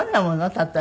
例えば。